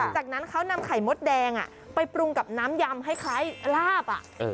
จากนั้นเขานำไข่มดแดงไปปรุงกับน้ำยำให้คล้ายลาบ